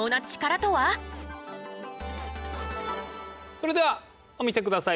それではお見せください